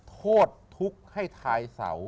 โทษทุกข์ให้ทายเสา